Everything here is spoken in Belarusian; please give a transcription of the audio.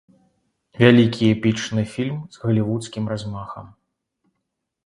Вялікі эпічны фільм з галівудскім размахам.